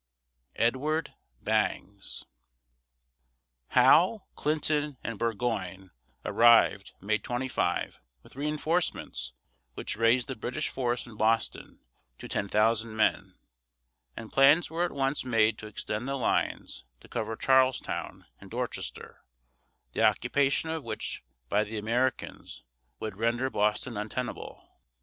EDWARD BANGS. Howe, Clinton, and Burgoyne arrived, May 25, with reinforcements which raised the British force in Boston to ten thousand men, and plans were at once made to extend the lines to cover Charlestown and Dorchester, the occupation of which by the Americans would render Boston untenable.